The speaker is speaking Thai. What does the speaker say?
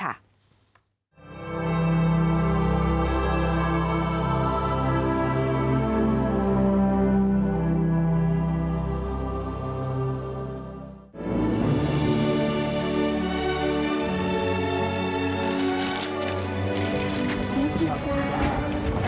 กระบาดมาแล้ว